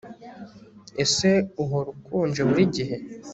ese uhora ukonje burigihe